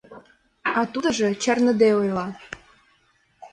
А тудыжо чарныде ойла.